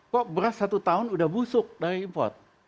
kok beras satu tahun udah busuk dari import